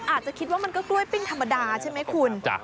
อาจจะคิดว่ามันก็กล้วยปิ้งธรรมดาใช่ไหมคุณ